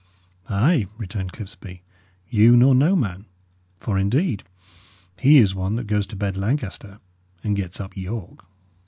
"Ay," returned Clipsby, "you, nor no man. For, indeed, he is one that goes to bed Lancaster and gets up York."